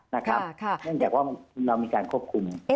เนื่องจากว่าเรามีการควบคุม